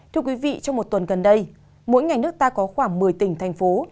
thưa quý vị trong một tuần gần đây mỗi ngày nước ta có khoảng một mươi tỉnh thành phố